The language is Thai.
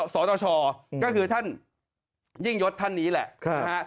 สตชก็คือท่านยิ่งยศท่านนี้แหละนะฮะ